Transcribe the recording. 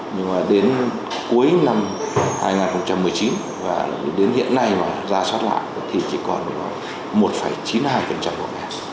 nhưng mà đến cuối năm hai nghìn một mươi chín và đến hiện nay mà ra soát lại thì chỉ còn một chín mươi hai hộ nghèo